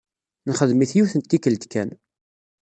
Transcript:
Nexdem-it yiwet n tikkelt kan.